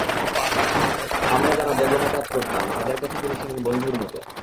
আমরা যাঁরা বেগম-এ কাজ করতাম, তাঁদের কাছে তিনি ছিলেন বন্ধুর মতো।